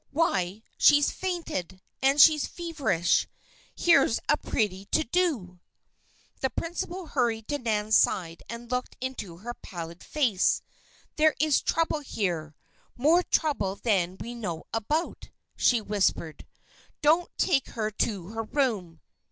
"Why! she's fainted. And she's feverish! Here's a pretty to do!" The principal hurried to Nan's side and looked into her pallid face. "There is trouble here more trouble than we know about," she whispered. "Don't take her to her room.